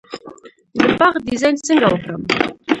د باغ ډیزاین څنګه وکړم؟